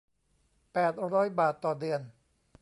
แปดร้อย บาทต่อเดือน